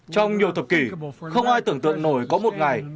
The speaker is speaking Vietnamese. trong nhiều thập kỷ không ai tưởng tượng nổi có một ngày